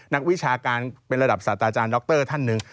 นักวิชาการเป็นระดับศาสตราจารย์ดรท่านหนึ่ง